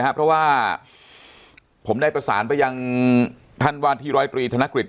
ครับเพราะว่าผมได้ประสานไปยังท่านวาทีรอยตรีธนคริสอ